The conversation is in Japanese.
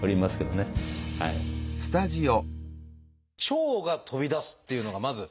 腸が飛び出すっていうのがまず